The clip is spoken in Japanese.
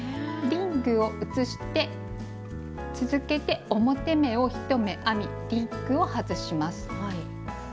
リングを移して続けて表目を１目編みリングを外します。